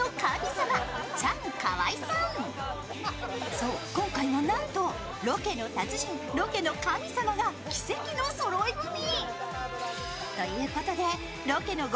そう、今回はなんとロケの達人、ロケの神様が奇跡のそろい踏み。